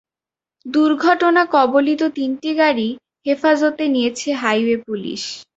দুর্ঘটনাকবলিত তিনটি গাড়িই হেফাজতে নিয়েছে হাইওয়ে পুলিশ।